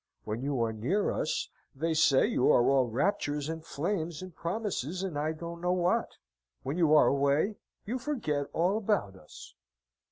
When you are near us, they say you are all raptures and flames and promises and I don't know what; when you are away, you forget all about us."